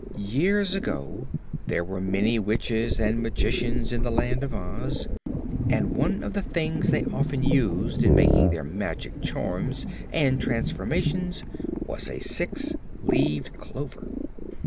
Years ago there were many Witches and Magicians in the Land of Oz, and one of the things they often used in making their magic charms and transformations was a six leaved clover.